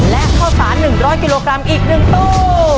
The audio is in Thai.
และข้าวสาร๑๐๐กิโลกรัมอีก๑ตู้